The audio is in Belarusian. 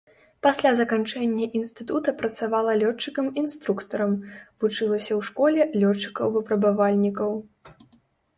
Пасля заканчэння інстытута працавала лётчыкам-інструктарам, вучылася ў школе лётчыкаў-выпрабавальнікаў.